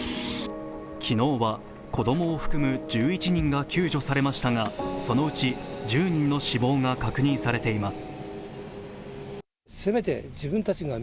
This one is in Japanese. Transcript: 昨日は子供を含む１１人が救助されましたが、そのうち１０人の死亡が確認されています。